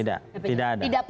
tidak tidak ada